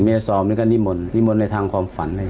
แม่ย่าซอมนี่ก็นิมนต์นิมนต์ในทางความฝันเลย